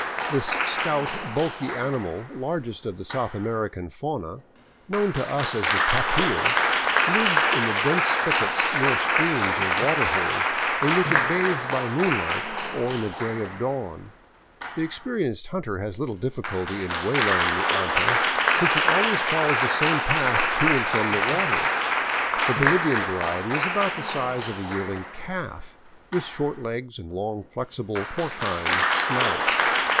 This stout, bulky animal, largest of the South American fauna, known to us as the tapir, lives in the dense thickets near streams or water holes, in which it bathes by moonlight or in the gray of dawn. The experienced hunter has little difficulty in waylay ing \he anta, since it always follows the same path to and from the water. The Bolivian variety is about the size of a yearling calf, with short legs and a long, flexible, porcine snout.